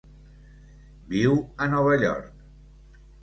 Viu a Nova York.